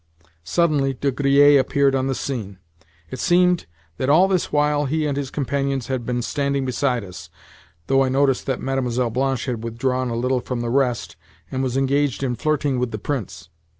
Suddenly De Griers appeared on the scene. It seemed that all this while he and his companions had been standing beside us—though I noticed that Mlle. Blanche had withdrawn a little from the rest, and was engaged in flirting with the Prince.